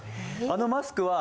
あのマスクは。